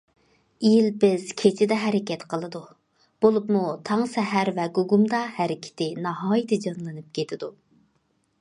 يىلپىز كېچىدە ھەرىكەت قىلىدۇ، بولۇپمۇ تاڭ سەھەر ۋە گۇگۇمدا ھەرىكىتى ناھايىتى جانلىنىپ كېتىدۇ.